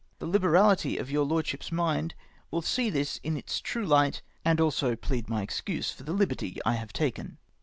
The liberality of your Lordship's mind will see this in its true light, and also plead my excuse for the liberty I have taken.